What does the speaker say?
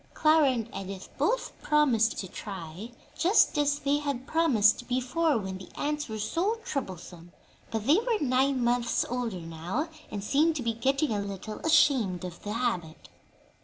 Clara and Edith both promised to try just as they had promised before, when the ants were so troublesome; but they were nine months older now, and seemed to be getting a little ashamed of the habit.